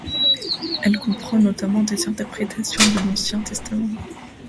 Elle comprend notamment des interprétations de l'Ancien Testament.